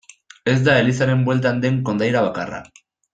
Ez da elizaren bueltan den kondaira bakarra.